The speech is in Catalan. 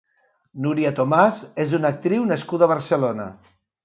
Núria Tomás és una actriu nascuda a Barcelona.